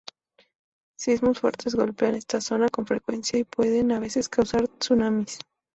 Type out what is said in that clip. Sismos fuertes golpean esta zona con frecuencia y pueden a veces causar tsunamis.